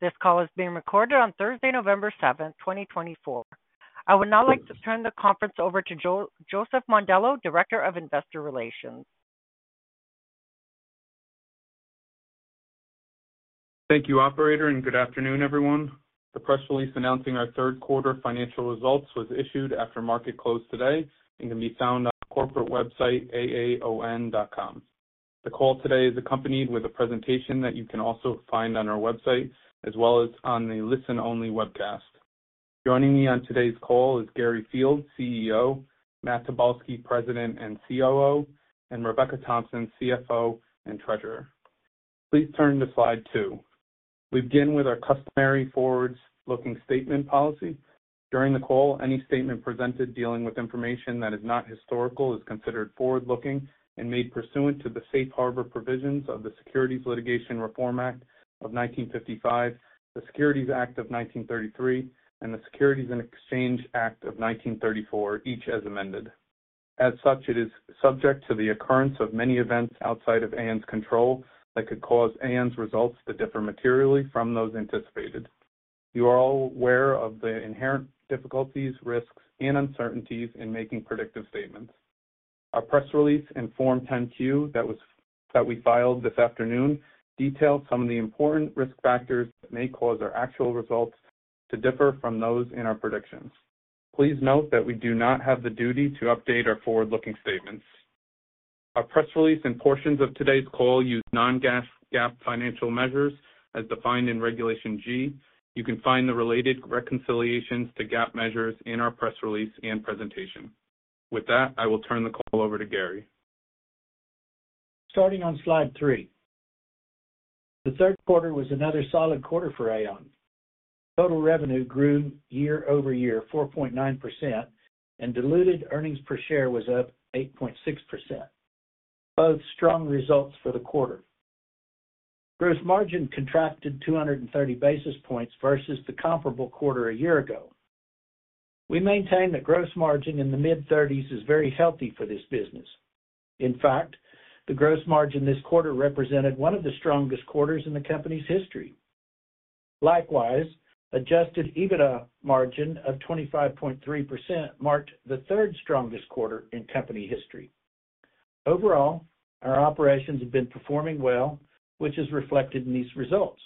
This call is being recorded on Thursday, November 7th, 2024. I would now like to turn the conference over to Joseph Mondillo, Director of Investor Relations. Thank you, Operator, and good afternoon, everyone. The press release announcing our third quarter financial results was issued after market close today and can be found on the corporate website, AAON.com. The call today is accompanied with a presentation that you can also find on our website, as well as on the Listen Only webcast. Joining me on today's call is Gary Fields, CEO, Matt Tobolski, President and COO, and Rebecca Thompson, CFO and Treasurer. Please turn to slide two. We begin with our customary forward-looking statement policy. During the call, any statement presented dealing with information that is not historical is considered forward-looking and made pursuant to the safe harbor provisions of the Securities Litigation Reform Act of 1995, the Securities Act of 1933, and the Securities and Exchange Act of 1934, each as amended. As such, it is subject to the occurrence of many events outside of AAON's control that could cause AAON's results to differ materially from those anticipated. You are all aware of the inherent difficulties, risks, and uncertainties in making predictive statements. Our press release in Form 10-Q that we filed this afternoon details some of the important risk factors that may cause our actual results to differ from those in our predictions. Please note that we do not have the duty to update our forward-looking statements. Our press release and portions of today's call use non-GAAP financial measures as defined in Regulation G. You can find the related reconciliations to GAAP measures in our press release and presentation. With that, I will turn the call over to Gary. Starting on slide three, the third quarter was another solid quarter for AAON. Total revenue grew year over year 4.9%, and diluted earnings per share was up 8.6%. Both strong results for the quarter. Gross margin contracted 230 basis points versus the comparable quarter a year ago. We maintain that gross margin in the mid-30s is very healthy for this business. In fact, the gross margin this quarter represented one of the strongest quarters in the company's history. Likewise, Adjusted EBITDA margin of 25.3% marked the third strongest quarter in company history. Overall, our operations have been performing well, which is reflected in these results.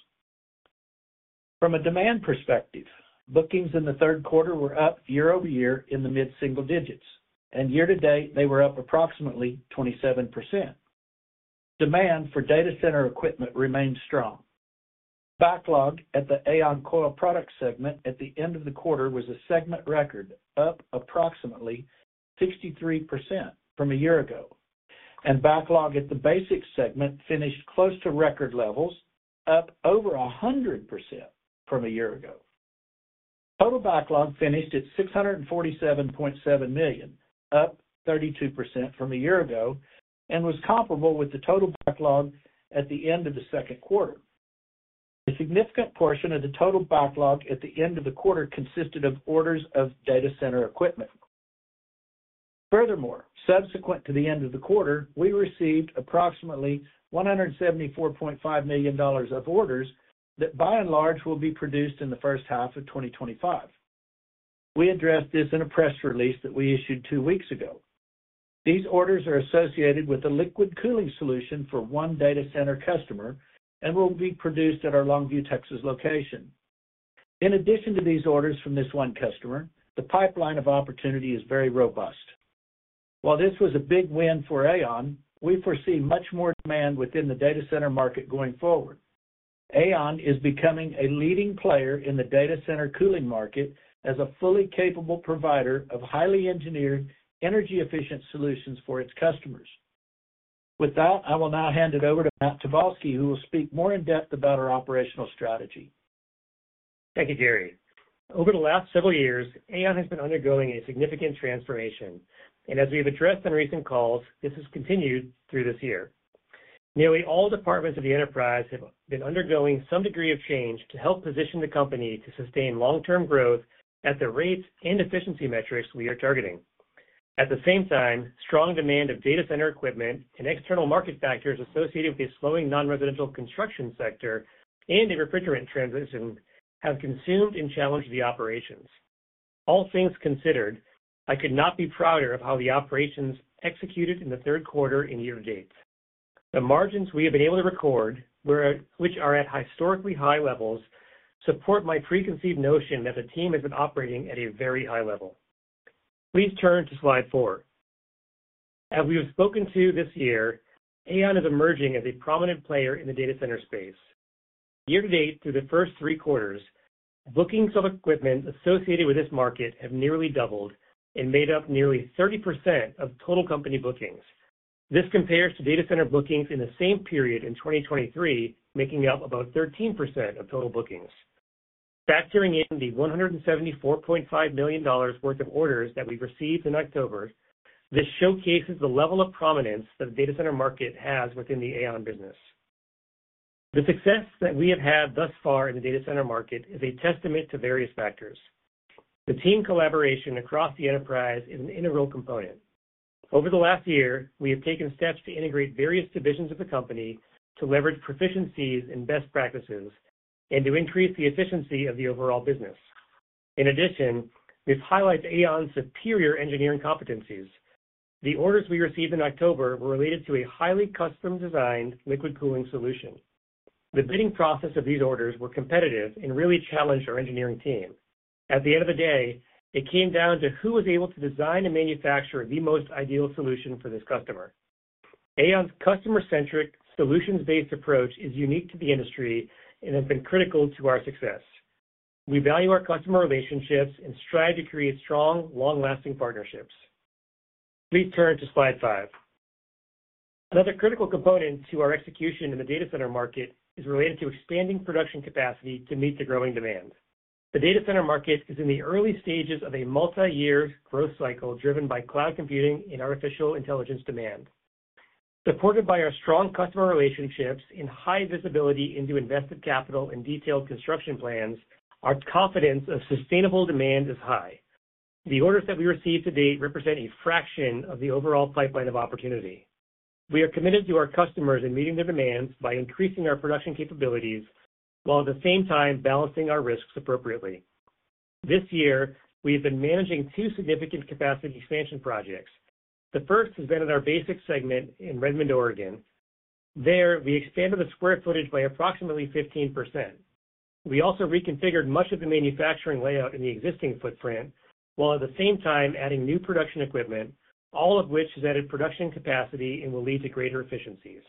From a demand perspective, bookings in the third quarter were up year over year in the mid-single digits, and year to date they were up approximately 27%. Demand for data center equipment remained strong. Backlog at the AAON Coil Products segment at the end of the quarter was a segment record, up approximately 63% from a year ago, and backlog at the BASX segment finished close to record levels, up over 100% from a year ago. Total backlog finished at $647.7 million, up 32% from a year ago, and was comparable with the total backlog at the end of the second quarter. A significant portion of the total backlog at the end of the quarter consisted of orders of data center equipment. Furthermore, subsequent to the end of the quarter, we received approximately $174.5 million of orders that, by and large, will be produced in the first half of 2025. We addressed this in a press release that we issued two weeks ago. These orders are associated with a liquid cooling solution for one data center customer and will be produced at our Longview, Texas location. In addition to these orders from this one customer, the pipeline of opportunity is very robust. While this was a big win for AAON, we foresee much more demand within the data center market going forward. AAON is becoming a leading player in the data center cooling market as a fully capable provider of highly engineered, energy-efficient solutions for its customers. With that, I will now hand it over to Matt Tobolski, who will speak more in depth about our operational strategy. Thank you, Gary. Over the last several years, AAON has been undergoing a significant transformation, and as we've addressed on recent calls, this has continued through this year. Nearly all departments of the enterprise have been undergoing some degree of change to help position the company to sustain long-term growth at the rates and efficiency metrics we are targeting. At the same time, strong demand of data center equipment and external market factors associated with the slowing non-residential construction sector and the refrigerant transition have consumed and challenged the operations. All things considered, I could not be prouder of how the operations executed in the third quarter and year to date. The margins we have been able to record, which are at historically high levels, support my preconceived notion that the team has been operating at a very high level. Please turn to slide four. As we have spoken to this year, AAON is emerging as a prominent player in the data center space. Year to date, through the first three quarters, bookings of equipment associated with this market have nearly doubled and made up nearly 30% of total company bookings. This compares to data center bookings in the same period in 2023, making up about 13% of total bookings. Factoring in the $174.5 million worth of orders that we've received in October, this showcases the level of prominence that the data center market has within the AAON business. The success that we have had thus far in the data center market is a testament to various factors. The team collaboration across the enterprise is an integral component. Over the last year, we have taken steps to integrate various divisions of the company to leverage proficiencies and best practices, and to increase the efficiency of the overall business. In addition, this highlights AAON's superior engineering competencies. The orders we received in October were related to a highly custom-designed liquid cooling solution. The bidding process of these orders was competitive and really challenged our engineering team. At the end of the day, it came down to who was able to design and manufacture the most ideal solution for this customer. AAON's customer-centric, solutions-based approach is unique to the industry and has been critical to our success. We value our customer relationships and strive to create strong, long-lasting partnerships. Please turn to slide five. Another critical component to our execution in the data center market is related to expanding production capacity to meet the growing demand. The data center market is in the early stages of a multi-year growth cycle driven by cloud computing and artificial intelligence demand. Supported by our strong customer relationships and high visibility into invested capital and detailed construction plans, our confidence of sustainable demand is high. The orders that we received to date represent a fraction of the overall pipeline of opportunity. We are committed to our customers in meeting their demands by increasing our production capabilities while at the same time balancing our risks appropriately. This year, we have been managing two significant capacity expansion projects. The first has been in our B segment in Redmond, Oregon. There, we expanded the square footage by approximately 15%. We also reconfigured much of the manufacturing layout in the existing footprint while at the same time adding new production equipment, all of which has added production capacity and will lead to greater efficiencies.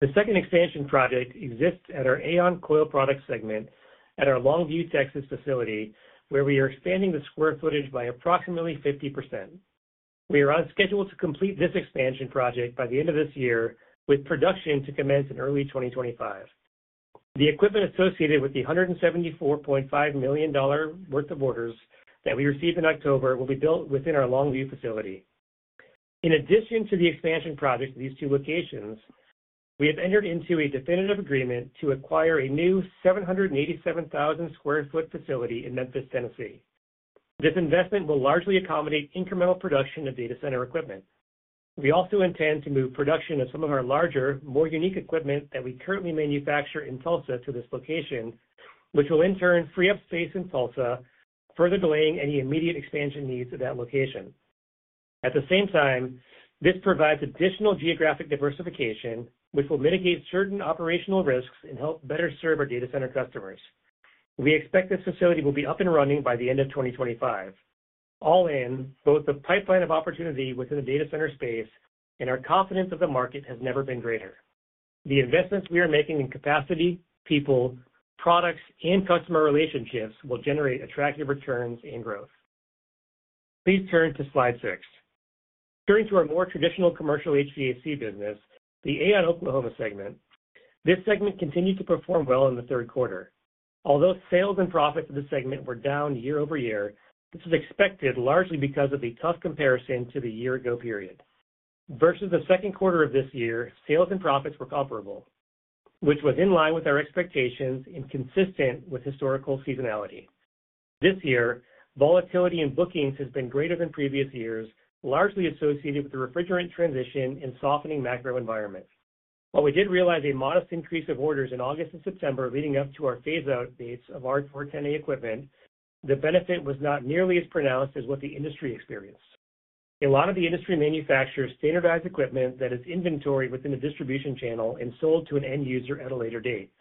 The second expansion project exists at our AAON Coil Products segment at our Longview, Texas facility, where we are expanding the square footage by approximately 50%. We are on schedule to complete this expansion project by the end of this year, with production to commence in early 2025. The equipment associated with the $174.5 million worth of orders that we received in October will be built within our Longview facility. In addition to the expansion projects at these two locations, we have entered into a definitive agreement to acquire a new 787,000 sq ft facility in Memphis, Tennessee. This investment will largely accommodate incremental production of data center equipment. We also intend to move production of some of our larger, more unique equipment that we currently manufacture in Tulsa to this location, which will in turn free up space in Tulsa, further delaying any immediate expansion needs at that location. At the same time, this provides additional geographic diversification, which will mitigate certain operational risks and help better serve our data center customers. We expect this facility will be up and running by the end of 2025. All in, both the pipeline of opportunity within the data center space and our confidence of the market has never been greater. The investments we are making in capacity, people, products, and customer relationships will generate attractive returns and growth. Please turn to slide six. Turning to our more traditional commercial HVAC business, the AAON Oklahoma segment, this segment continued to perform well in the third quarter. Although sales and profits of the segment were down year over year, this is expected largely because of the tough comparison to the year-ago period. Versus the second quarter of this year, sales and profits were comparable, which was in line with our expectations and consistent with historical seasonality. This year, volatility in bookings has been greater than previous years, largely associated with the refrigerant transition and softening macro environment. While we did realize a modest increase of orders in August and September leading up to our phase-out dates of our R-410A equipment, the benefit was not nearly as pronounced as what the industry experienced. A lot of the industry manufactures standardized equipment that is inventoried within the distribution channel and sold to an end user at a later date.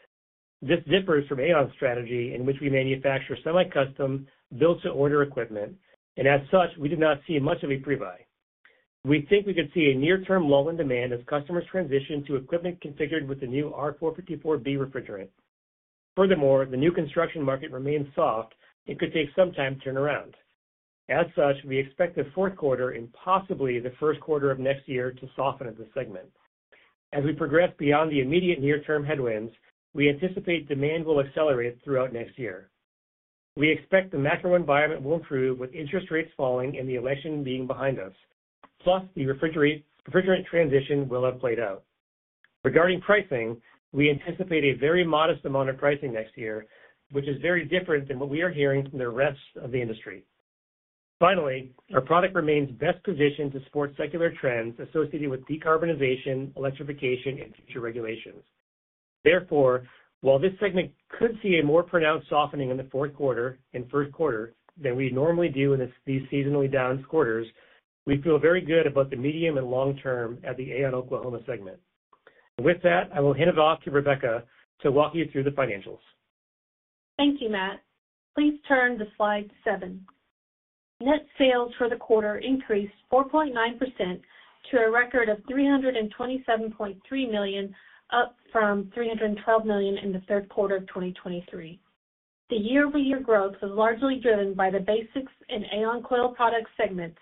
This differs from AAON's strategy, in which we manufacture semi-custom, built-to-order equipment, and as such, we did not see much of a pre-buy. We think we could see a near-term lull in demand as customers transition to equipment configured with the new R-454B refrigerant. Furthermore, the new construction market remains soft and could take some time to turn around. As such, we expect the fourth quarter and possibly the first quarter of next year to soften at this segment. As we progress beyond the immediate near-term headwinds, we anticipate demand will accelerate throughout next year. We expect the macro environment will improve with interest rates falling and the election being behind us, plus the refrigerant transition will have played out. Regarding pricing, we anticipate a very modest amount of pricing next year, which is very different than what we are hearing from the rest of the industry. Finally, our product remains best positioned to support secular trends associated with decarbonization, electrification, and future regulations. Therefore, while this segment could see a more pronounced softening in the fourth quarter and first quarter than we normally do in these seasonally down quarters, we feel very good about the medium and long term at the AAON Oklahoma segment. With that, I will hand it off to Rebecca to walk you through the financials. Thank you, Matt. Please turn to slide seven. Net sales for the quarter increased 4.9% to a record of $327.3 million, up from $312 million in the third quarter of 2023. The year-over-year growth was largely driven by the basics and AAON Coil Products segments,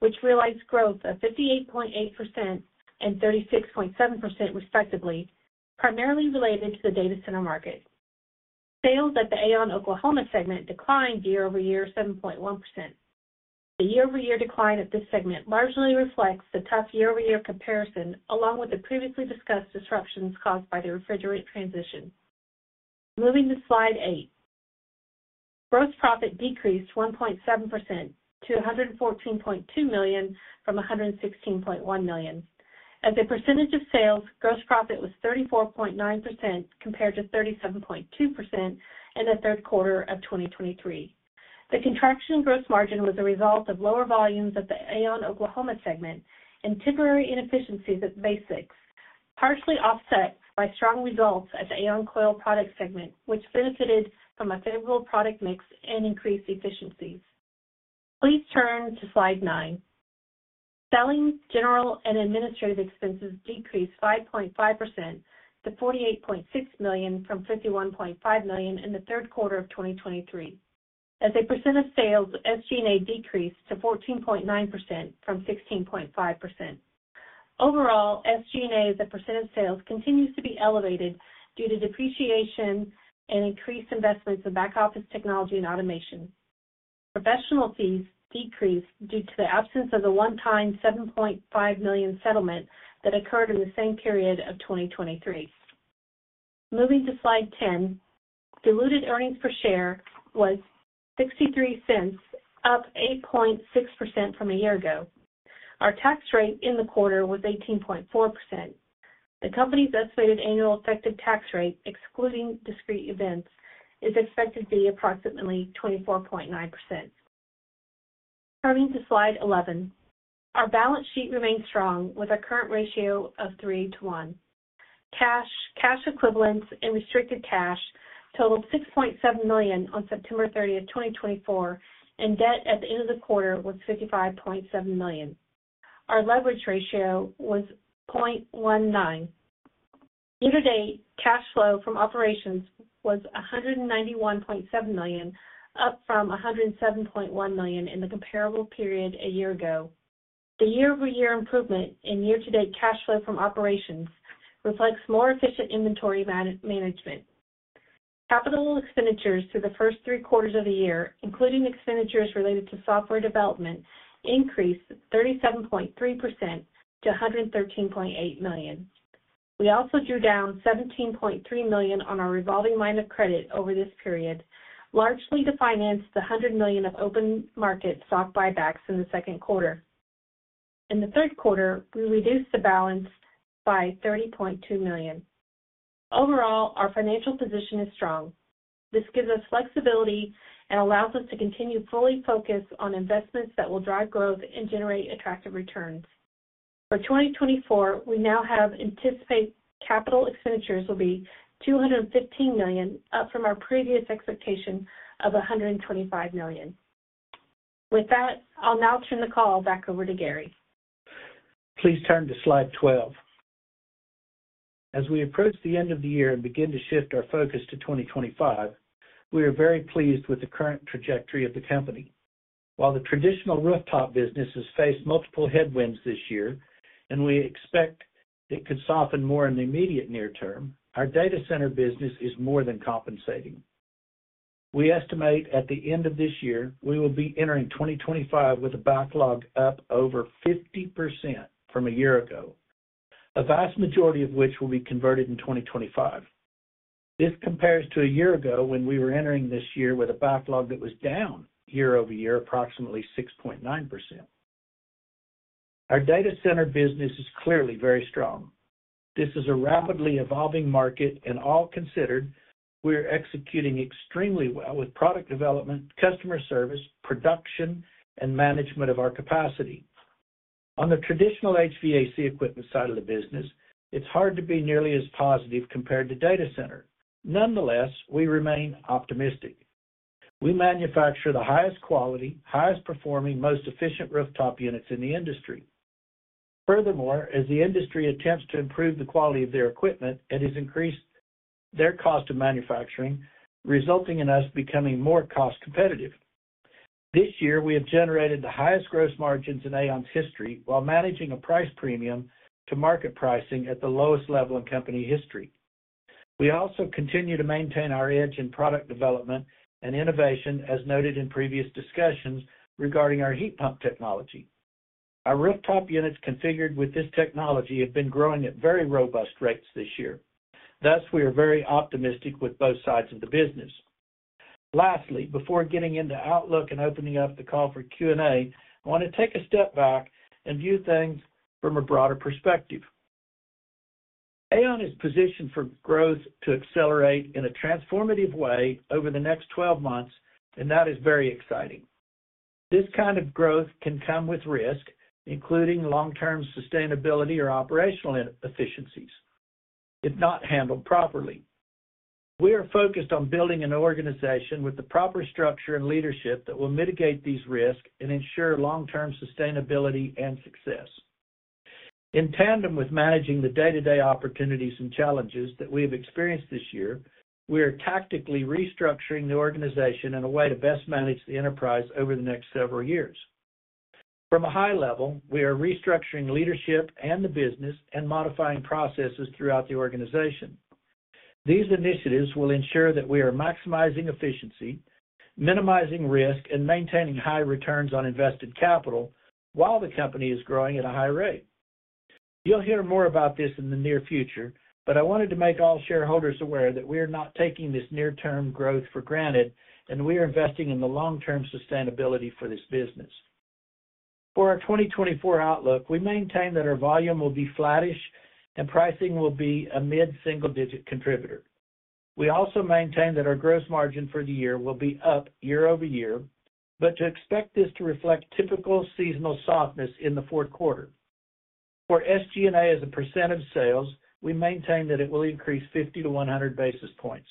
which realized growth of 58.8% and 36.7%, respectively, primarily related to the data center market. Sales at the AAON Oklahoma segment declined year-over-year 7.1%. The year-over-year decline at this segment largely reflects the tough year-over-year comparison, along with the previously discussed disruptions caused by the refrigerant transition. Moving to slide eight, gross profit decreased 1.7% to $114.2 million from $116.1 million. As a percentage of sales, gross profit was 34.9% compared to 37.2% in the third quarter of 2023. The contraction in gross margin was a result of lower volumes at the AAON Oklahoma segment and temporary inefficiencies at the basics, partially offset by strong results at the AAON Coil Products segment, which benefited from a favorable product mix and increased efficiencies. Please turn to slide nine. Selling, general, and administrative expenses decreased 5.5% to $48.6 million from $51.5 million in the third quarter of 2023. As a percent of sales, SG&A decreased to 14.9% from 16.5%. Overall, SG&A's percent of sales continues to be elevated due to depreciation and increased investments in back-office technology and automation. Professional fees decreased due to the absence of the one-time $7.5 million settlement that occurred in the same period of 2023. Moving to slide ten, diluted earnings per share was $0.63, up 8.6% from a year ago. Our tax rate in the quarter was 18.4%. The company's estimated annual effective tax rate, excluding discrete events, is expected to be approximately 24.9%. Turning to slide eleven, our balance sheet remains strong with our current ratio of three to one. Cash, cash equivalents, and restricted cash totaled $6.7 million on September 30, 2024, and debt at the end of the quarter was $55.7 million. Our leverage ratio was 0.19. Year-to-date cash flow from operations was $191.7 million, up from $107.1 million in the comparable period a year ago. The year-over-year improvement in year-to-date cash flow from operations reflects more efficient inventory management. Capital expenditures through the first three quarters of the year, including expenditures related to software development, increased 37.3% to $113.8 million. We also drew down $17.3 million on our revolving line of credit over this period, largely to finance the $100 million of open market stock buybacks in the second quarter. In the third quarter, we reduced the balance by $30.2 million. Overall, our financial position is strong. This gives us flexibility and allows us to continue fully focused on investments that will drive growth and generate attractive returns. For 2024, we now have anticipated capital expenditures will be $215 million, up from our previous expectation of $125 million. With that, I'll now turn the call back over to Gary. Please turn to slide 12. As we approach the end of the year and begin to shift our focus to 2025, we are very pleased with the current trajectory of the company. While the traditional rooftop business has faced multiple headwinds this year, and we expect it could soften more in the immediate near term, our data center business is more than compensating. We estimate at the end of this year, we will be entering 2025 with a backlog up over 50% from a year ago, a vast majority of which will be converted in 2025. This compares to a year ago when we were entering this year with a backlog that was down year-over-year approximately 6.9%. Our data center business is clearly very strong. This is a rapidly evolving market, and all considered, we are executing extremely well with product development, customer service, production, and management of our capacity. On the traditional HVAC equipment side of the business, it's hard to be nearly as positive compared to data center. Nonetheless, we remain optimistic. We manufacture the highest quality, highest performing, most efficient rooftop units in the industry. Furthermore, as the industry attempts to improve the quality of their equipment, it has increased their cost of manufacturing, resulting in us becoming more cost competitive. This year, we have generated the highest gross margins in AAON's history while managing a price premium to market pricing at the lowest level in company history. We also continue to maintain our edge in product development and innovation, as noted in previous discussions regarding our heat pump technology. Our rooftop units configured with this technology have been growing at very robust rates this year. Thus, we are very optimistic with both sides of the business. Lastly, before getting into Outlook and opening up the call for Q&A, I want to take a step back and view things from a broader perspective. AAON is positioned for growth to accelerate in a transformative way over the next 12 months, and that is very exciting. This kind of growth can come with risk, including long-term sustainability or operational efficiencies, if not handled properly. We are focused on building an organization with the proper structure and leadership that will mitigate these risks and ensure long-term sustainability and success. In tandem with managing the day-to-day opportunities and challenges that we have experienced this year, we are tactically restructuring the organization in a way to best manage the enterprise over the next several years. From a high level, we are restructuring leadership and the business and modifying processes throughout the organization. These initiatives will ensure that we are maximizing efficiency, minimizing risk, and maintaining high returns on invested capital while the company is growing at a high rate. You'll hear more about this in the near future, but I wanted to make all shareholders aware that we are not taking this near-term growth for granted, and we are investing in the long-term sustainability for this business. For our 2024 Outlook, we maintain that our volume will be flattish and pricing will be a mid-single-digit contributor. We also maintain that our gross margin for the year will be up year-over-year, but to expect this to reflect typical seasonal softness in the fourth quarter. For SG&A as a % of sales, we maintain that it will increase 50 to 100 basis points.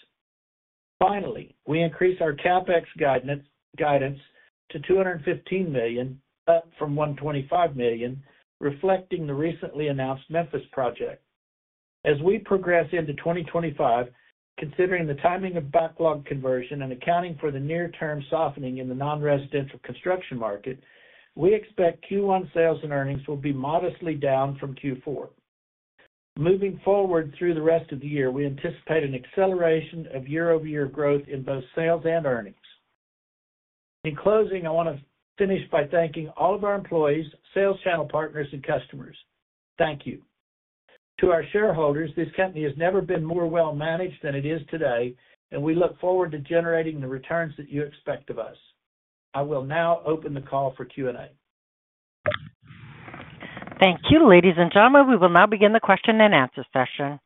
Finally, we increase our CapEx guidance to $215 million, up from $125 million, reflecting the recently announced Memphis project. As we progress into 2025, considering the timing of backlog conversion and accounting for the near-term softening in the non-residential construction market, we expect Q1 sales and earnings will be modestly down from Q4. Moving forward through the rest of the year, we anticipate an acceleration of year-over-year growth in both sales and earnings. In closing, I want to finish by thanking all of our employees, sales channel partners, and customers. Thank you. To our shareholders, this company has never been more well managed than it is today, and we look forward to generating the returns that you expect of us. I will now open the call for Q&A. Thank you, ladies and gentlemen. We will now begin the question and answer session.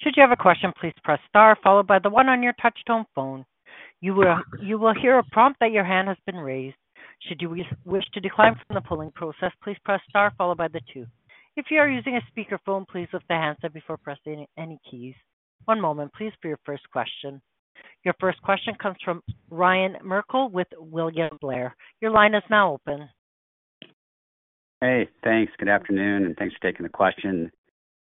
Should you have a question, please press star, followed by the one on your touch-tone phone. You will hear a prompt that your hand has been raised. Should you wish to decline from the polling process, please press star, followed by the two. If you are using a speakerphone, please lift the handset up before pressing any keys. One moment, please, for your first question. Your first question comes from Ryan Merkel with William Blair. Your line is now open. Hey, thanks. Good afternoon, and thanks for taking the question.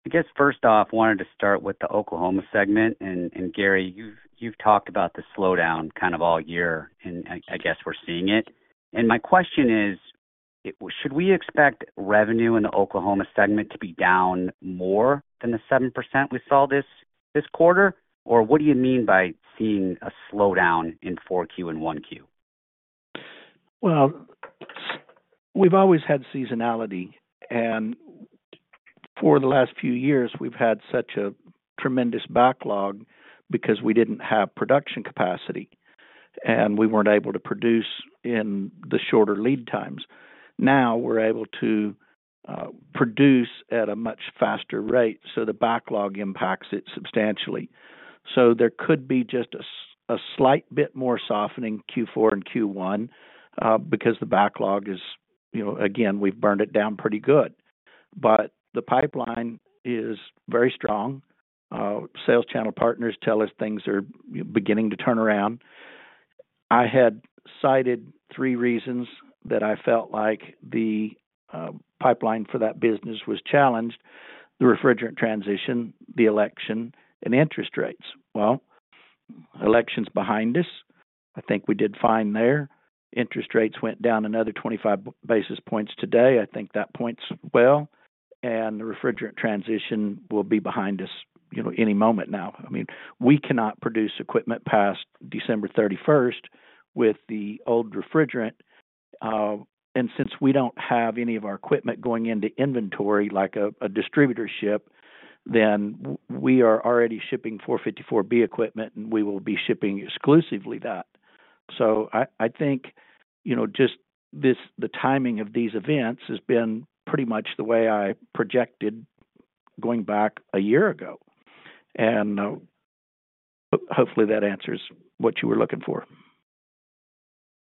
I guess, first off, I wanted to start with the Oklahoma segment, and Gary, you've talked about the slowdown kind of all year, and I guess we're seeing it, and my question is, should we expect revenue in the Oklahoma segment to be down more than the 7% we saw this quarter, or what do you mean by seeing a slowdown in four Q and one Q? Well, we've always had seasonality, and for the last few years, we've had such a tremendous backlog because we didn't have production capacity, and we weren't able to produce in the shorter lead times. Now we're able to produce at a much faster rate, so the backlog impacts it substantially. So there could be just a slight bit more softening Q4 and Q1 because the backlog is, again, we've burned it down pretty good. But the pipeline is very strong. Sales channel partners tell us things are beginning to turn around. I had cited three reasons that I felt like the pipeline for that business was challenged: the refrigerant transition, the election, and interest rates. Well, election's behind us. I think we did fine there. Interest rates went down another 25 basis points today. I think that points well, and the refrigerant transition will be behind us any moment now. I mean, we cannot produce equipment past December 31st with the old refrigerant, and since we don't have any of our equipment going into inventory like a distributorship, then we are already shipping 454B equipment, and we will be shipping exclusively that, so I think just the timing of these events has been pretty much the way I projected going back a year ago, and hopefully, that answers what you were looking for.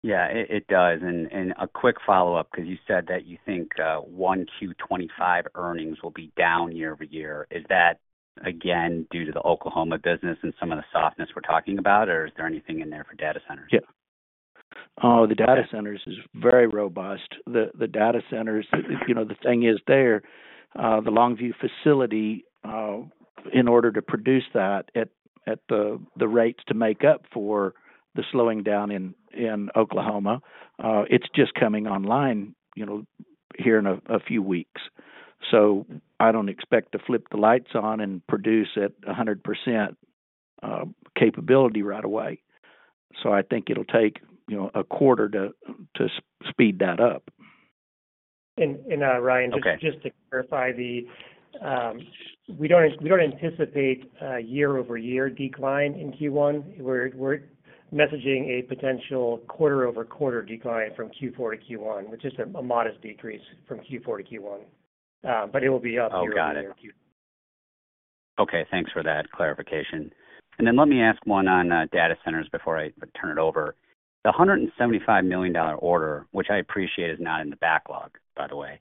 Yeah, it does. And a quick follow-up, because you said that you think 1Q25 earnings will be down year-over-year. Is that, again, due to the Oklahoma business and some of the softness we're talking about, or is there anything in there for data centers? Yeah. Oh, the data centers is very robust. The data centers, the thing is there, the Longview facility, in order to produce that at the rates to make up for the slowing down in Oklahoma, it's just coming online here in a few weeks. So I don't expect to flip the lights on and produce at 100% capability right away. So I think it'll take a quarter to speed that up. And Ryan, just to clarify, we don't anticipate a year-over-year decline in Q1. We're messaging a potential quarter-over-quarter decline from Q4 to Q1, which is a modest decrease from Q4 to Q1. But it will be up year-over-year. Oh, got it. Okay. Thanks for that clarification. And then let me ask one on data centers before I turn it over. The $175 million order, which I appreciate is not in the backlog, by the way,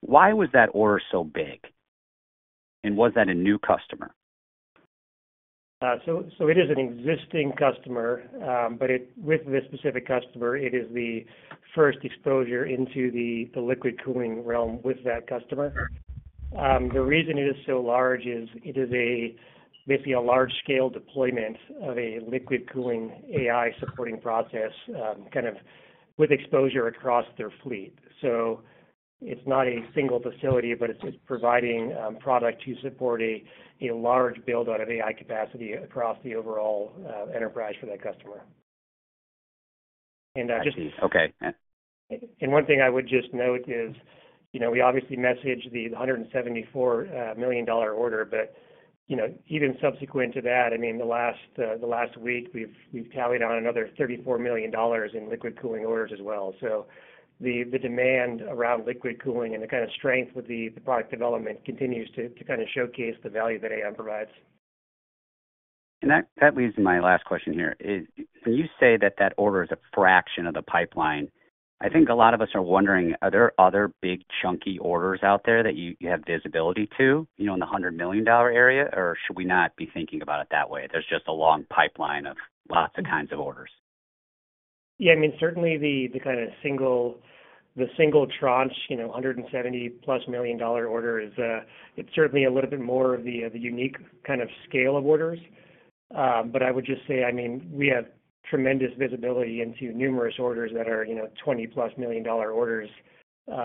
why was that order so big? And was that a new customer? It is an existing customer, but with this specific customer, it is the first exposure into the liquid cooling realm with that customer. The reason it is so large is it is basically a large-scale deployment of a liquid cooling AI supporting process, kind of with exposure across their fleet. It is not a single facility, but it is providing product to support a large build-out of AI capacity across the overall enterprise for that customer. And just. I see. Okay. One thing I would just note is we obviously messaged the $174 million order, but even subsequent to that, I mean, the last week, we've tallied on another $34 million in liquid cooling orders as well. The demand around liquid cooling and the kind of strength with the product development continues to kind of showcase the value that AAON provides. And that leads to my last question here. When you say that that order is a fraction of the pipeline, I think a lot of us are wondering, are there other big chunky orders out there that you have visibility to in the $100 million area, or should we not be thinking about it that way? There's just a long pipeline of lots of kinds of orders. Yeah. I mean, certainly, the kind of single tranche, $170-plus million order, it's certainly a little bit more of the unique kind of scale of orders. But I would just say, I mean, we have tremendous visibility into numerous orders that are $20-plus million orders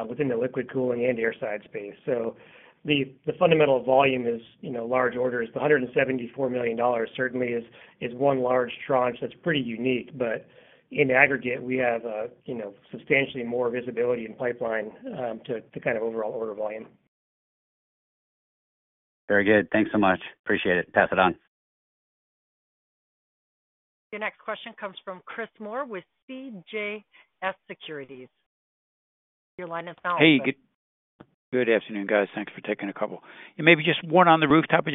within the liquid cooling and air side space. So the fundamental volume is large orders. The $174 million certainly is one large tranche that's pretty unique, but in aggregate, we have substantially more visibility in pipeline to kind of overall order volume. Very good. Thanks so much. Appreciate it. Pass it on. Your next question comes from Chris Moore with CJS Securities. Your line is now open. Hey. Good afternoon, guys. Thanks for taking a couple, and maybe just one on the rooftop.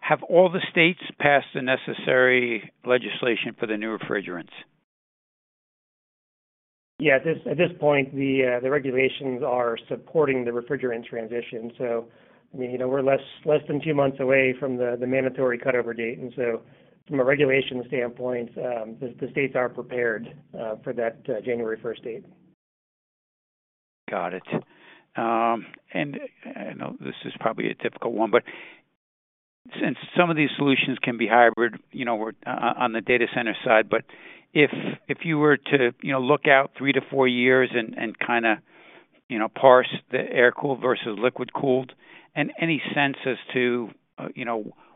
Have all the states passed the necessary legislation for the new refrigerants? Yeah. At this point, the regulations are supporting the refrigerant transition. So I mean, we're less than two months away from the mandatory cutover date. And so from a regulation standpoint, the states are prepared for that January 1st date. Got it. And this is probably a difficult one, but since some of these solutions can be hybrid on the data center side, but if you were to look out three to four years and kind of parse the air-cooled versus liquid-cooled, any sense as to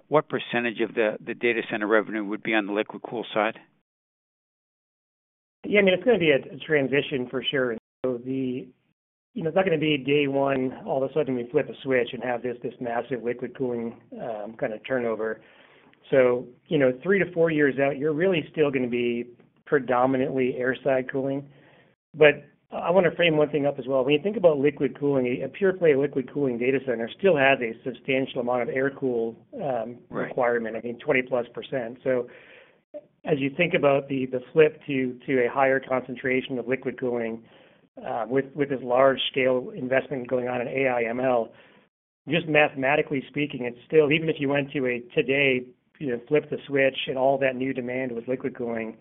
what percentage of the data center revenue would be on the liquid-cooled side? Yeah. I mean, it's going to be a transition for sure. So it's not going to be day one, all of a sudden, we flip a switch and have this massive liquid cooling kind of turnover. So three to four years out, you're really still going to be predominantly air side cooling. But I want to frame one thing up as well. When you think about liquid cooling, a pure-play liquid cooling data center still has a substantial amount of air-cooled requirement, I mean, 20-plus%. So as you think about the flip to a higher concentration of liquid cooling with this large-scale investment going on in AI/ML, just mathematically speaking, it's still, even if you went to a today, flip the switch and all that new demand with liquid cooling,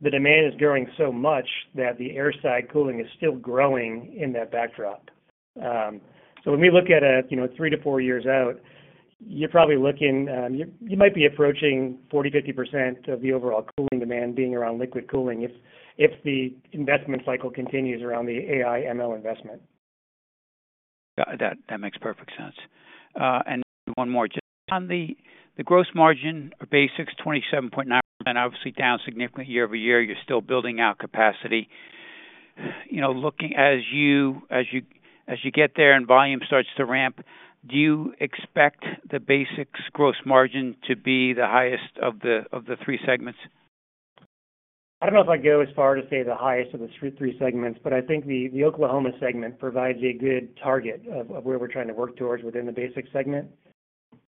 the demand is growing so much that the air side cooling is still growing in that backdrop. When we look at three to four years out, you're probably looking, you might be approaching 40%-50% of the overall cooling demand being around liquid cooling if the investment cycle continues around the AI/ML investment. That makes perfect sense, and maybe one more, just on the gross margin or basics, 27.9%, obviously down significant year-over-year. You're still building out capacity. As you get there and volume starts to ramp, do you expect the basics gross margin to be the highest of the three segments? I don't know if I'd go as far to say the highest of the three segments, but I think the Oklahoma segment provides a good target of where we're trying to work towards within the basics segment.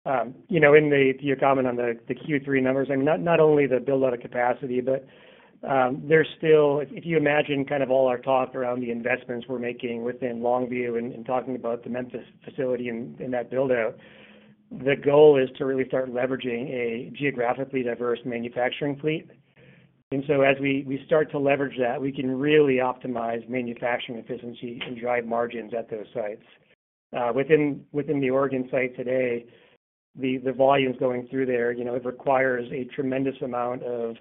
And your comment on the Q3 numbers, I mean, not only the build-out of capacity, but there's still, if you imagine kind of all our talk around the investments we're making within Longview and talking about the Memphis facility and that build-out, the goal is to really start leveraging a geographically diverse manufacturing fleet. And so as we start to leverage that, we can really optimize manufacturing efficiency and drive margins at those sites. Within the Oregon site today, the volumes going through there, it requires a tremendous amount of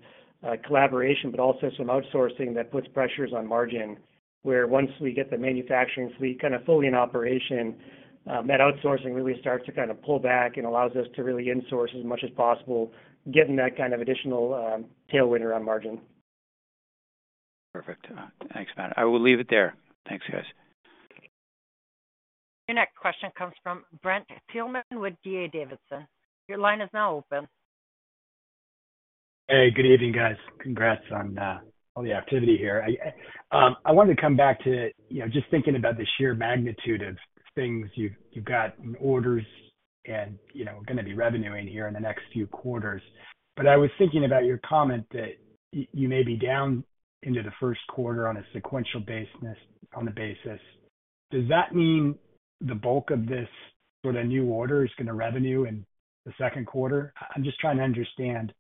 collaboration, but also some outsourcing that puts pressures on margin, where once we get the manufacturing fleet kind of fully in operation, that outsourcing really starts to kind of pull back and allows us to really insource as much as possible, getting that kind of additional tailwind around margin. Perfect. Thanks, Matt. I will leave it there. Thanks, guys. Your next question comes from Brent Thielman with D.A. Davidson. Your line is now open. Hey, good evening, guys. Congrats on all the activity here. I wanted to come back to just thinking about the sheer magnitude of things you've got in orders and going to be revenuing here in the next few quarters. But I was thinking about your comment that you may be down into the first quarter on a sequential basis. Does that mean the bulk of this sort of new order is going to revenue in the second quarter? I'm just trying to understand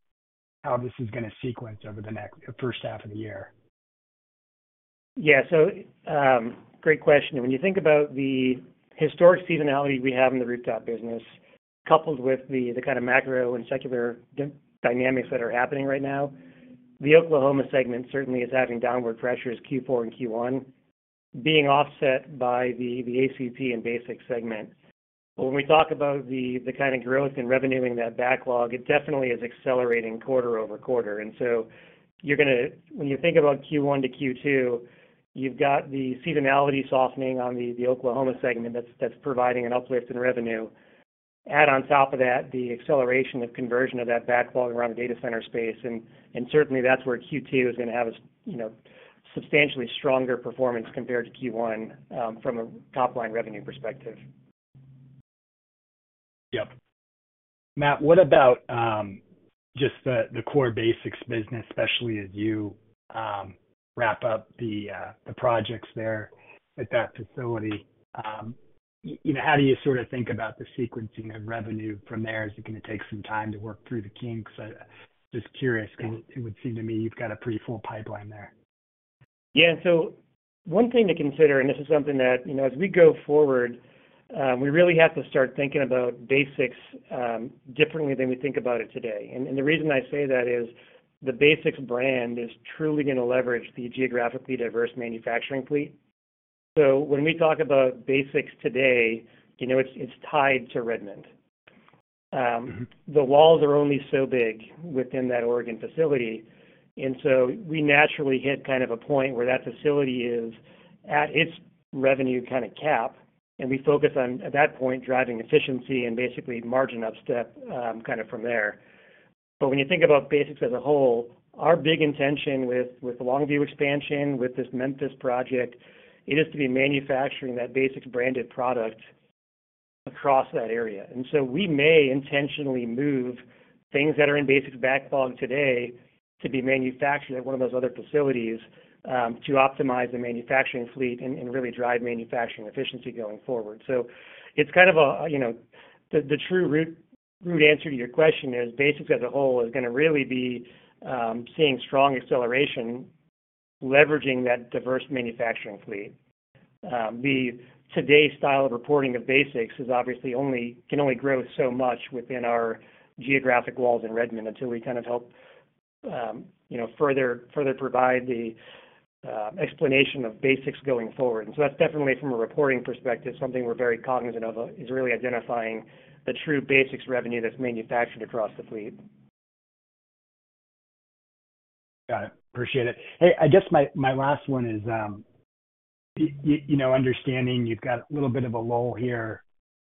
how this is going to sequence over the first half of the year? Yeah. So great question. When you think about the historic seasonality we have in the rooftop business, coupled with the kind of macro and secular dynamics that are happening right now, the Oklahoma segment certainly is having downward pressures, Q4 and Q1, being offset by the ACP and basics segment. But when we talk about the kind of growth and revenuing that backlog, it definitely is accelerating quarter over quarter. And so when you think about Q1 to Q2, you've got the seasonality softening on the Oklahoma segment that's providing an uplift in revenue. Add on top of that, the acceleration of conversion of that backlog around the data center space. And certainly, that's where Q2 is going to have a substantially stronger performance compared to Q1 from a top-line revenue perspective. Yep. Matt, what about just the core basics business, especially as you wrap up the projects there at that facility? How do you sort of think about the sequencing of revenue from there? Is it going to take some time to work through the kinks? Just curious because it would seem to me you've got a pretty full pipeline there. Yeah. So one thing to consider, and this is something that as we go forward, we really have to start thinking about basics differently than we think about it today. And the reason I say that is the basics brand is truly going to leverage the geographically diverse manufacturing fleet. So when we talk about basics today, it's tied to Redmond. The walls are only so big within that Oregon facility. And so we naturally hit kind of a point where that facility is at its revenue kind of cap, and we focus on, at that point, driving efficiency and basically margin upstep kind of from there. But when you think about basics as a whole, our big intention with the Longview expansion, with this Memphis project, it is to be manufacturing that basics-branded product across that area. And so we may intentionally move things that are in basics backlog today to be manufactured at one of those other facilities to optimize the manufacturing fleet and really drive manufacturing efficiency going forward. So it's kind of the true root answer to your question is basics as a whole is going to really be seeing strong acceleration leveraging that diverse manufacturing fleet. Today's style of reporting of basics can only grow so much within our geographic walls in Redmond until we kind of help further provide the explanation of basics going forward. And so that's definitely, from a reporting perspective, something we're very cognizant of, is really identifying the true basics revenue that's manufactured across the fleet. Got it. Appreciate it. Hey, I guess my last one is understanding you've got a little bit of a lull here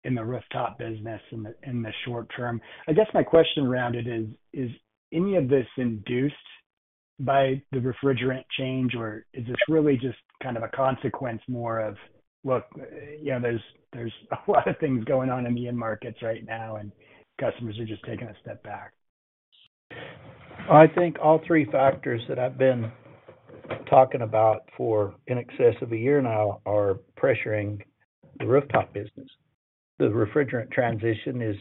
in the rooftop business in the short term. I guess my question around it is, is any of this induced by the refrigerant change, or is this really just kind of a consequence more of, "Look, there's a lot of things going on in the end markets right now, and customers are just taking a step back"? I think all three factors that I've been talking about for in excess of a year now are pressuring the rooftop business. The refrigerant transition is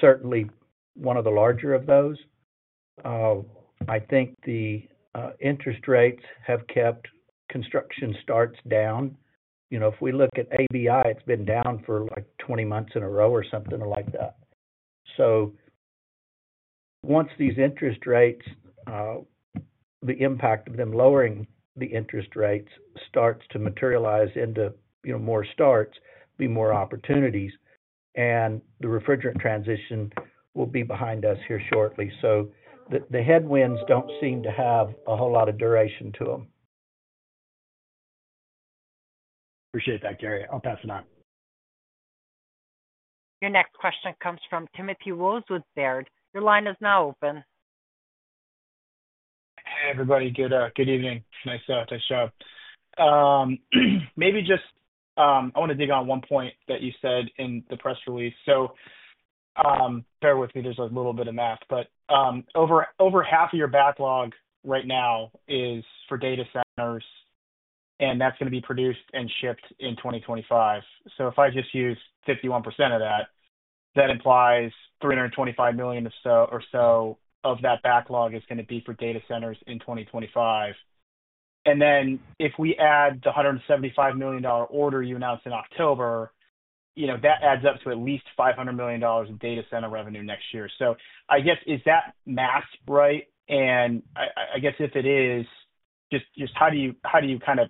certainly one of the larger of those. I think the interest rates have kept construction starts down. If we look at ABI, it's been down for like 20 months in a row or something like that. So once these interest rates, the impact of them lowering the interest rates starts to materialize into more starts, be more opportunities, and the refrigerant transition will be behind us here shortly. So the headwinds don't seem to have a whole lot of duration to them. Appreciate that, Gary. I'll pass it on. Your next question comes from Timothy Wojs with Baird. Your line is now open. Hey, everybody. Good evening. Nice to join. Maybe just I want to dig on one point that you said in the press release. So bear with me. There's a little bit of math. But over half of your backlog right now is for data centers, and that's going to be produced and shipped in 2025. So if I just use 51% of that, that implies $325 million or so of that backlog is going to be for data centers in 2025. And then if we add the $175 million order you announced in October, that adds up to at least $500 million in data center revenue next year. So I guess, is that math right? I guess if it is, just how are you kind of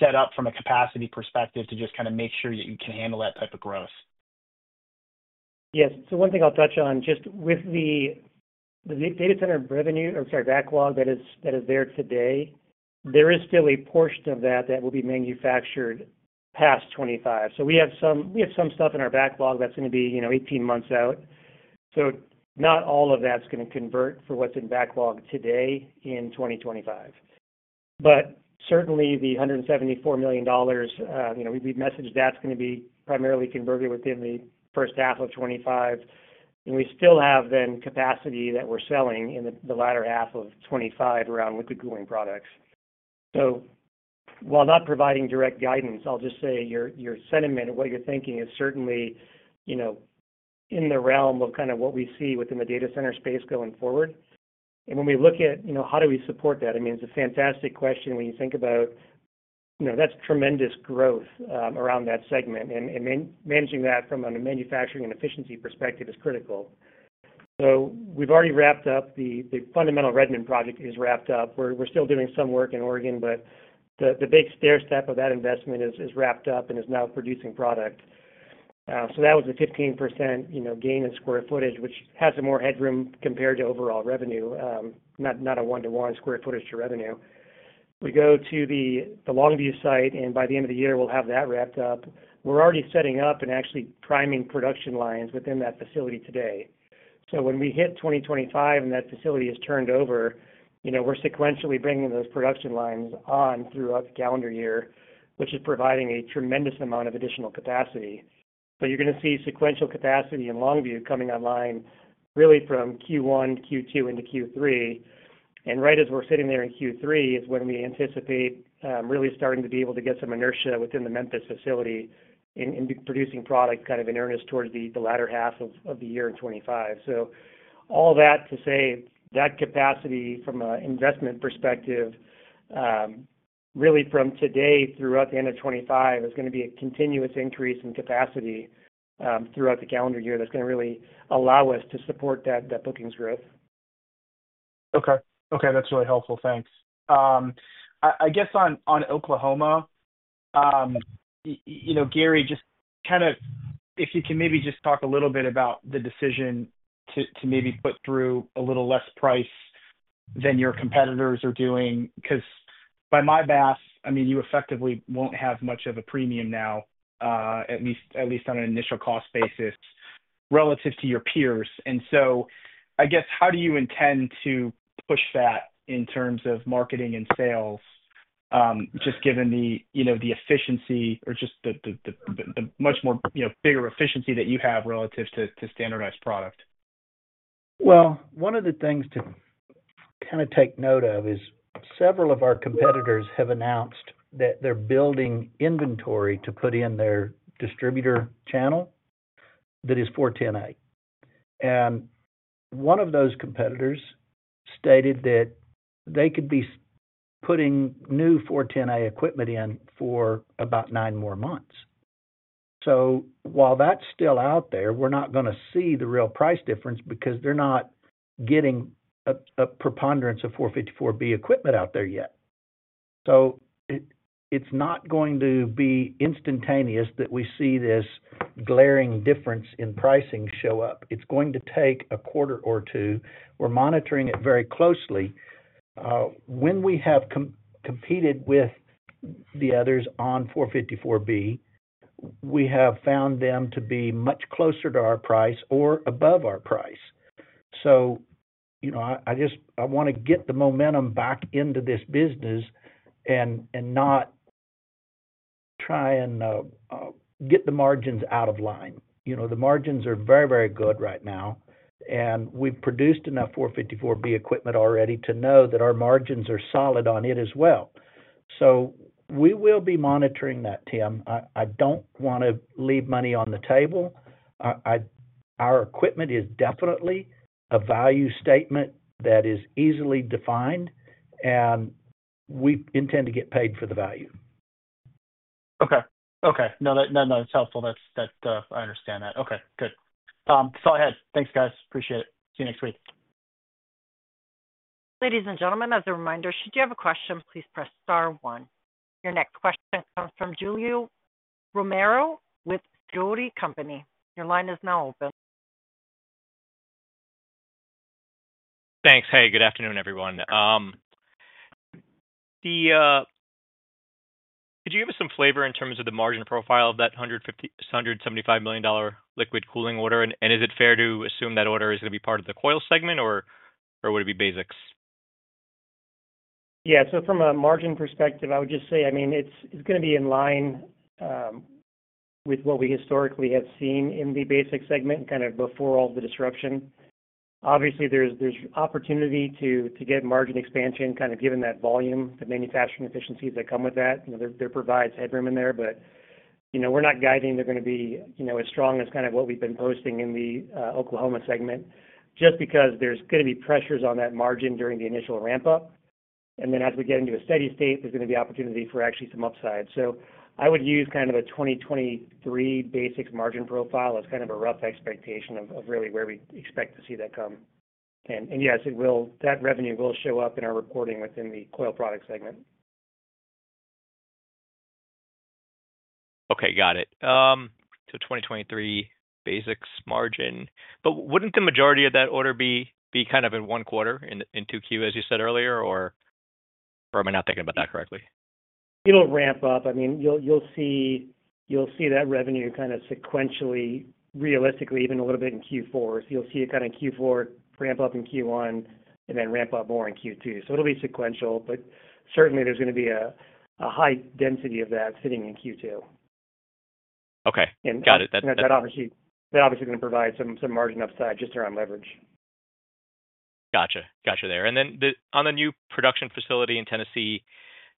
set up from a capacity perspective to just kind of make sure that you can handle that type of growth? Yes. So one thing I'll touch on, just with the data center revenue or sorry, backlog that is there today, there is still a portion of that that will be manufactured past 2025. So we have some stuff in our backlog that's going to be 18 months out. So not all of that's going to convert for what's in backlog today in 2025. But certainly, the $174 million, we've messaged that's going to be primarily converted within the first half of 2025. And we still have then capacity that we're selling in the latter half of 2025 around liquid cooling products. So while not providing direct guidance, I'll just say your sentiment of what you're thinking is certainly in the realm of kind of what we see within the data center space going forward. And when we look at how do we support that? I mean, it's a fantastic question when you think about, that's tremendous growth around that segment. And managing that from a manufacturing and efficiency perspective is critical. So we've already wrapped up the fundamental Redmond project. We're still doing some work in Oregon, but the big stairstep of that investment is wrapped up and is now producing product. So that was a 15% gain in square footage, which has some more headroom compared to overall revenue, not a one-to-one square footage to revenue. We go to the Longview site, and by the end of the year, we'll have that wrapped up. We're already setting up and actually priming production lines within that facility today. So when we hit 2025 and that facility is turned over, we're sequentially bringing those production lines on throughout the calendar year, which is providing a tremendous amount of additional capacity. But you're going to see sequential capacity in Longview coming online really from Q1, Q2, into Q3. And right as we're sitting there in Q3 is when we anticipate really starting to be able to get some inertia within the Memphis facility and be producing product kind of in earnest towards the latter half of the year in 2025. So all that to say, that capacity from an investment perspective, really from today throughout the end of 2025, is going to be a continuous increase in capacity throughout the calendar year that's going to really allow us to support that bookings growth. Okay. Okay. That's really helpful. Thanks. I guess on Oklahoma, Gary, just kind of if you can maybe just talk a little bit about the decision to maybe put through a little less price than your competitors are doing because by my math, I mean, you effectively won't have much of a premium now, at least on an initial cost basis relative to your peers, and so I guess how do you intend to push that in terms of marketing and sales, just given the efficiency or just the much more bigger efficiency that you have relative to standardized product? One of the things to kind of take note of is several of our competitors have announced that they're building inventory to put in their distributor channel that is R-410A. One of those competitors stated that they could be putting new R-410A equipment in for about nine more months. While that's still out there, we're not going to see the real price difference because they're not getting a preponderance of R-454B equipment out there yet. It's not going to be instantaneous that we see this glaring difference in pricing show up. It's going to take a quarter or two. We're monitoring it very closely. When we have competed with the others on R-454B, we have found them to be much closer to our price or above our price. So I want to get the momentum back into this business and not try and get the margins out of line. The margins are very, very good right now. And we've produced enough 454B equipment already to know that our margins are solid on it as well. So we will be monitoring that, Tim. I don't want to leave money on the table. Our equipment is definitely a value statement that is easily defined, and we intend to get paid for the value. Okay. Okay. No, no, no. It's helpful. I understand that. Okay. Good. So go ahead. Thanks, guys. Appreciate it. See you next week. Ladies and gentlemen, as a reminder, should you have a question, please press star one. Your next question comes from Julio Romero with Sidoti & Company. Your line is now open. Thanks. Hey, good afternoon, everyone. Could you give us some flavor in terms of the margin profile of that $175 million liquid cooling order? And is it fair to assume that order is going to be part of the coil segment, or would it be basics? Yeah. So from a margin perspective, I would just say, I mean, it's going to be in line with what we historically have seen in the basic segment kind of before all the disruption. Obviously, there's opportunity to get margin expansion kind of given that volume, the manufacturing efficiencies that come with that. There provides headroom in there. But we're not guiding they're going to be as strong as kind of what we've been posting in the Oklahoma segment just because there's going to be pressures on that margin during the initial ramp-up. And then as we get into a steady state, there's going to be opportunity for actually some upside. So I would use kind of a 2023 basics margin profile as kind of a rough expectation of really where we expect to see that come. Yes, that revenue will show up in our reporting within the Coil Products segment. Okay. Got it. So 2023 basics margin. But wouldn't the majority of that order be kind of in one quarter in 2Q, as you said earlier, or am I not thinking about that correctly? It'll ramp up. I mean, you'll see that revenue kind of sequentially, realistically, even a little bit in Q4. So you'll see it kind of in Q4 ramp up in Q1 and then ramp up more in Q2. So it'll be sequential. But certainly, there's going to be a high density of that sitting in Q2. Okay. Got it. That's good. That obviously is going to provide some margin upside just around leverage. Gotcha. Gotcha there. And then on the new production facility in Tennessee,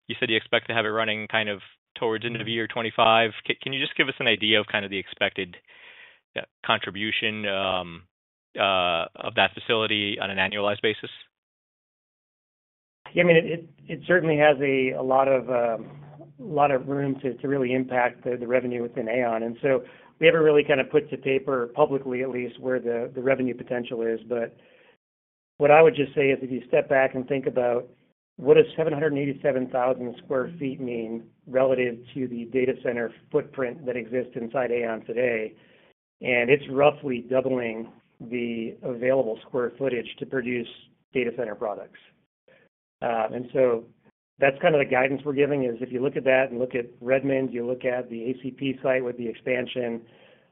you said you expect to have it running kind of towards the end of the year 2025. Can you just give us an idea of kind of the expected contribution of that facility on an annualized basis? Yeah. I mean, it certainly has a lot of room to really impact the revenue within AAON. And so we haven't really kind of put to paper publicly, at least, where the revenue potential is. But what I would just say is if you step back and think about what does 787,000 sq ft mean relative to the data center footprint that exists inside AAON today? And it's roughly doubling the available square footage to produce data center products. And so that's kind of the guidance we're giving is if you look at that and look at Redmond, you look at the ACP site with the expansion,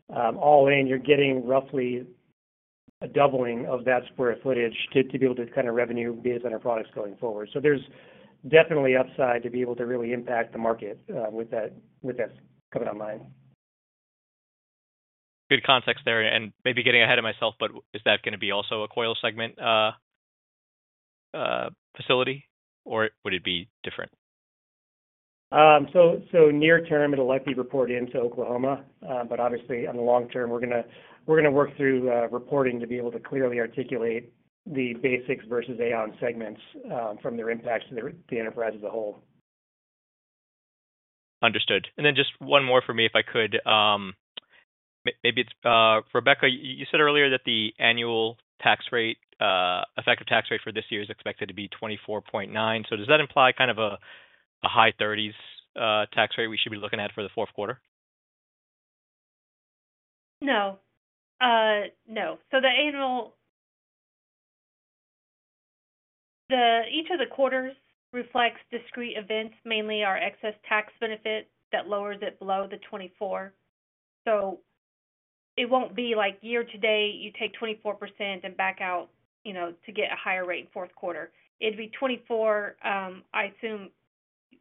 all in, you're getting roughly a doubling of that square footage to be able to kind of revenue data center products going forward. So there's definitely upside to be able to really impact the market with that coming online. Good context there, and maybe getting ahead of myself, but is that going to be also a coil segment facility, or would it be different? So, near term, it'll likely report into Oklahoma. But obviously, on the long term, we're going to work through reporting to be able to clearly articulate the basics versus AAON segments and their impact to the enterprise as a whole. Understood, and then just one more for me, if I could. Maybe it's Rebecca. You said earlier that the annual effective tax rate for this year is expected to be 24.9%. So does that imply kind of a high 30s% tax rate we should be looking at for the fourth quarter? No. No. So each of the quarters reflects discrete events, mainly our excess tax benefit that lowers it below the 24%. So it won't be like year to date, you take 24% and back out to get a higher rate in fourth quarter. It'd be 24%. I assume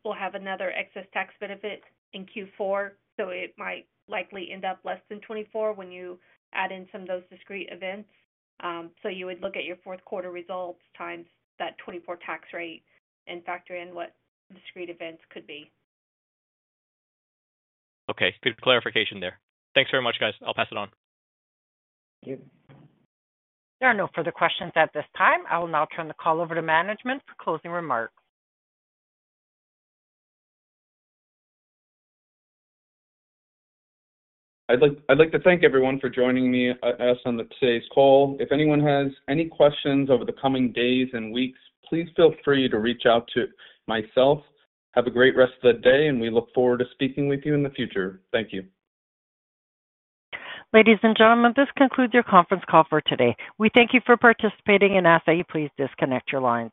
we'll have another excess tax benefit in Q4. So it might likely end up less than 24% when you add in some of those discrete events. So you would look at your fourth quarter results times that 24% tax rate and factor in what discrete events could be. Okay. Good clarification there. Thanks very much, guys. I'll pass it on. Thank you. There are no further questions at this time. I will now turn the call over to management for closing remarks. I'd like to thank everyone for joining me on today's call. If anyone has any questions over the coming days and weeks, please feel free to reach out to myself. Have a great rest of the day, and we look forward to speaking with you in the future. Thank you. Ladies and gentlemen, this concludes your conference call for today. We thank you for participating and ask that you please disconnect your lines.